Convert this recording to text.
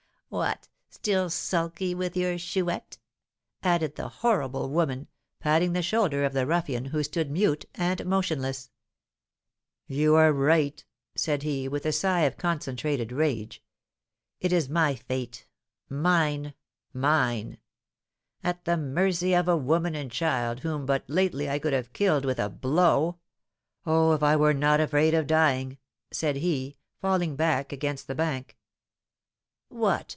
What, still sulky with your Chouette?" added the horrible woman, patting the shoulder of the ruffian, who stood mute and motionless. "You are right," said he, with a sigh of concentrated rage; "it is my fate mine mine! At the mercy of a woman and child whom but lately I could have killed with a blow. Oh, if I were not afraid of dying!" said he, falling back against the bank. "What!